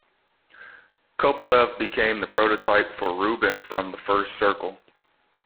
Kopelev became a prototype for Rubin from "The First Circle".